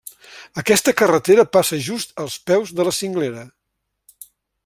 Aquesta carretera passa just als peus de la cinglera.